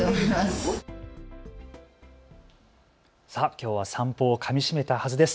きょうは散歩をかみしめたはずです。